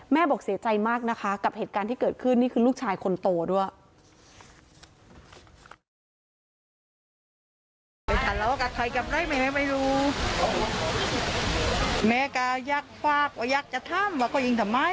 บอกเสียใจมากนะคะกับเหตุการณ์ที่เกิดขึ้นนี่คือลูกชายคนโตด้วย